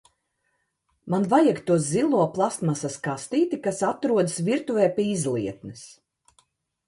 Man vajag to zilo plastmasas kastīti, kas atrodas virtuvē pie izlietnes.